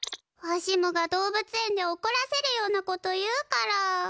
わしもが動物園でおこらせるようなこと言うから。